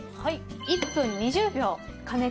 １分２０秒加熱します。